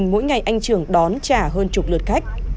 mỗi ngày anh trường đón trả hơn chục lượt khách